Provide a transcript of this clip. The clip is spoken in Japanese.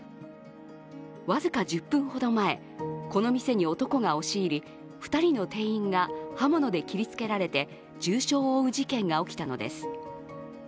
僅か１０分ほど前、この店に男が押し入り、２人の店員が刃物で切りつけられて重傷を負う事件が起きたのです。